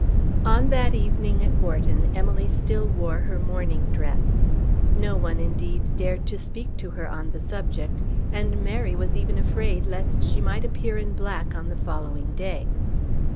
On that evening, at Wharton, Emily still wore her mourning dress. No one, indeed, dared to speak to her on the subject, and Mary was even afraid lest she might appear in black on the following day.